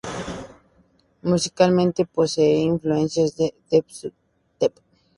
Musicalmente, posee influencias de "dubstep".